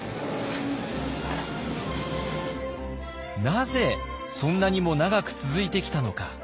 なぜそんなにも長く続いてきたのか。